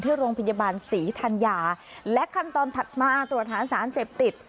ที่โรงพยาบาลศรีธัญญาและขั้นตอนถัดมาตรวจหาสารเสพติด